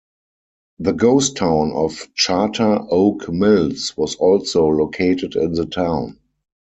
The ghost town of Charter Oak Mills was also located in the town.